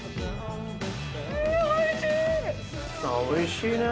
おいしい！